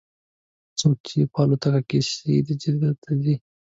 څوک چې په الوتکه کې سیده جدې ته ځي.